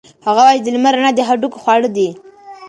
هغه وایي چې د لمر رڼا د هډوکو خواړه دي.